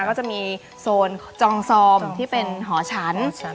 ก็จะมีศนตรีจองสอมที่เป็นหอชั้น